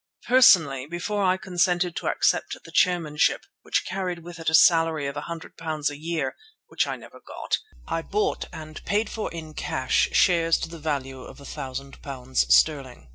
Personally, before I consented to accept the chairmanship, which carried with it a salary of £100 a year (which I never got), I bought and paid for in cash, shares to the value of £1,000 sterling.